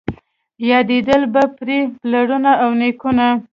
یادېدل به پرې پلرونه او نیکونه